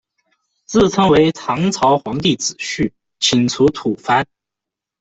自称为唐朝皇帝子婿，请除吐蕃。